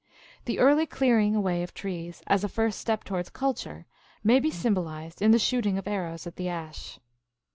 The early clearing away of trees, as a first step towards culture, may be symbolized in the shooting of arrows at the ash.